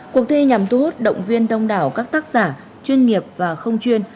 cuộc thi nhằm thu hút động viên đông đảo các tác giả chuyên nghiệp và không chuyên